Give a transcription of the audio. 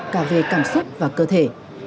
cả về cảm xúc và cơ thể